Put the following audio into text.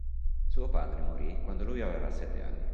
Suo padre morì quando lui aveva sette anni.